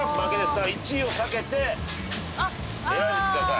だから１位を避けて選んでください。